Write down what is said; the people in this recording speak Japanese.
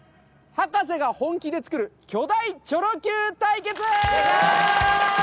ハカセが本気で作る巨大チョロＱ対決！